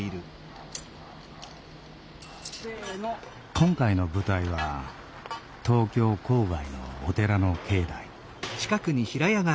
今回の舞台は東京郊外のお寺の境内。